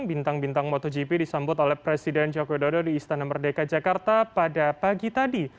bintang bintang motogp disambut oleh presiden joko widodo di istana merdeka jakarta pada pagi tadi